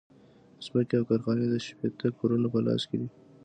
ځمکې او کارخانې د شپیته کورنیو په لاس کې دي